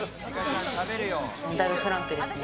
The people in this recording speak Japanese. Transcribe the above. だいぶフランクですね。